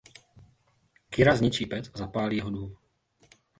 Kira zničí pec a zapálí jeho dům.